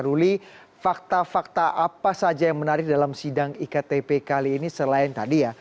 ruli fakta fakta apa saja yang menarik dalam sidang iktp kali ini selain tadi ya